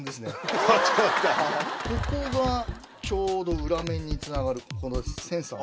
ここがちょうど裏面に繋がるこのセンサーの。